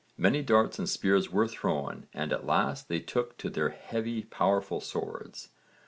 Many darts and spears were thrown and at last they took to their heavy powerful swords.